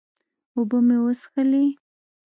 اوبۀ مې وڅښلې